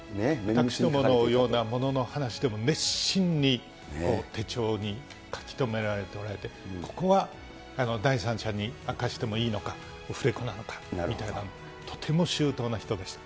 私どものような者の話でも熱心に手帳に書き留められておられて、ここは第三者に明かしてもいいのか、オフレコなのかみたいな、とても周到な人でした。